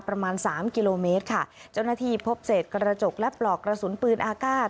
ประมาณสามกิโลเมตรค่ะเจ้าหน้าที่พบเศษกระจกและปลอกกระสุนปืนอากาศ